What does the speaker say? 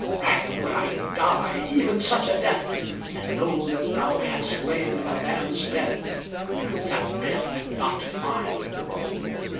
Rather would I die even such a death than know that thou hadst lain in a man's bed, and that bed not mine."